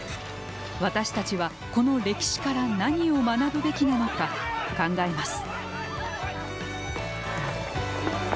私たちはこの歴史から何を学ぶべきなのか、考えます。